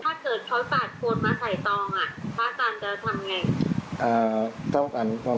ถ้าเกิดเขาสาดพวนมาใส่ตองพระอาจารย์จะทำยัง